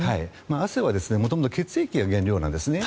汗は元々、血液が原料なんです。